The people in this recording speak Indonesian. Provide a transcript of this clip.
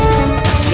aku sudah selesai